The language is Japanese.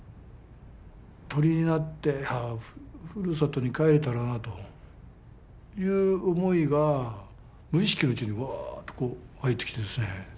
鳥になってふるさとに帰れたらなという思いが無意識のうちにわっとこう湧いてきてですね